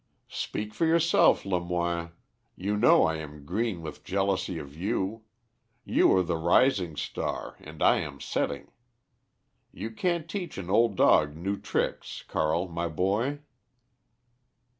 "Speak for yourself, Lemoine. You know I am green with jealousy of you. You are the rising star and I am setting. You can't teach an old dog new tricks, Carl, my boy."